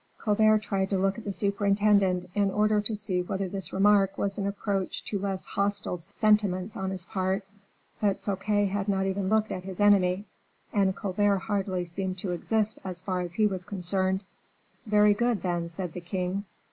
Colbert tried to look at the superintendent, in order to see whether this remark was an approach to less hostile sentiments on his part; but Fouquet had not even looked at his enemy, and Colbert hardly seemed to exist as far as he was concerned. "Very good, then," said the king.